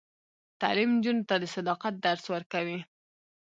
تعلیم نجونو ته د صداقت درس ورکوي.